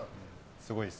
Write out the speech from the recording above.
すごいです。